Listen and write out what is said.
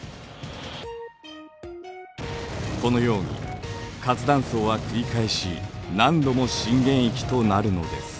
このように活断層は繰り返し何度も震源域となるのです。